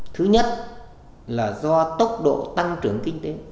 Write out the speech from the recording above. thứ nhất là do tốc độ tăng trưởng kinh tế